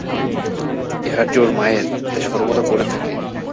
এই হারটি ওর মায়ের, তাই সর্বদা পরে থাকে।